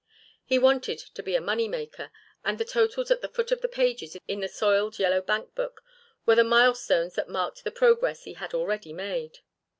He wanted to be a money maker and the totals at the foot of the pages in the soiled yellow bankbook were the milestones that marked the progress he had already made.